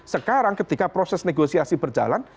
sekarang ketika proses negosiasi berjalan